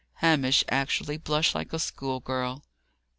Hamish actually blushed like a schoolgirl.